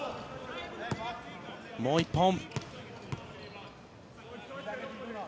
もう１本。